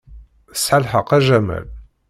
Tesɛa lḥeqq, a Jamal.